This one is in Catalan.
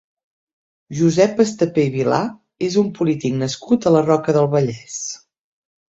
Josep Estapé i Vilà és un polític nascut a la Roca del Vallès.